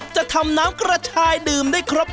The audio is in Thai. จะทำน้ำกระชายดื่มได้ครบ